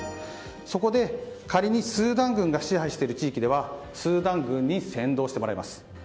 そこで仮にスーダン軍が支配している地域ではスーダン軍に先導してもらいます。